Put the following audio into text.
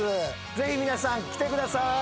ぜひ皆さん来てください。